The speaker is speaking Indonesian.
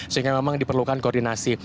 sehingga memang diperlukan koordinasi